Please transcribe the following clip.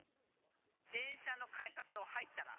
電車の改札を入ったら。